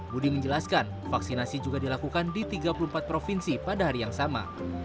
budi menjelaskan vaksinasi juga dilakukan di tiga puluh empat provinsi pada hari yang sama